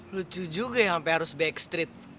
lucu juga ya sampai harus backstreet